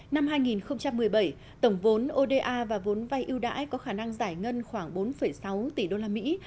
năm hai nghìn một mươi bảy tổng vốn oda và vốn vay ưu đãi có khả năng giải ngân khoảng bốn sáu tỷ đô la mỹ